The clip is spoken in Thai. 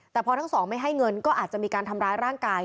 แต่พอทั้งสองไม่ให้เงินก็อาจจะมีการทำร้ายร่างกาย